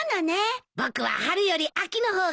僕は春より秋の方が好きだな。